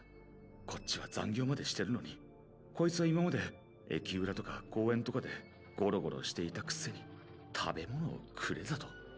こっちは残業までしてるのにこいつは今まで駅裏とか公園とかでゴロゴロしていたくせに「食べ物をくれ」だと？